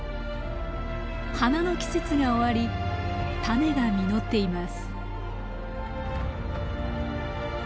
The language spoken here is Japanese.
花の季節が終わりタネが実っています。